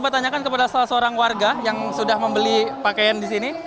saya tanyakan kepada salah seorang warga yang sudah membeli pakaian di sini